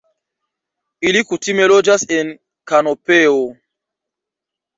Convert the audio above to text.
Ili kutime loĝas en kanopeo.